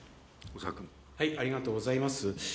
ありがとうございます。